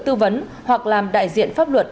tư vấn hoặc làm đại diện pháp luật